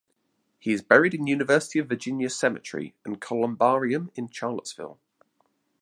He is buried in University of Virginia Cemetery and Columbarium in Charlottesville.